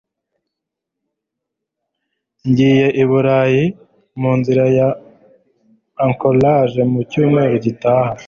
Ngiye i Burayi munzira ya Anchorage mu cyumweru gitaha.